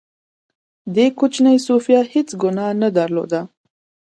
دې کوچنۍ سوفیا هېڅ ګناه نه درلوده